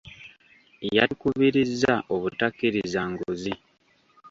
Yatukubirizza obutakkiriza nguzi.